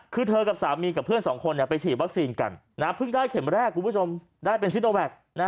คือเธอกับสามีกับเพื่อนสองคนไปฉีดวัคซีนกันเพิ่งได้เข็มแรกคุณผู้ชมได้เป็นซิโนแวค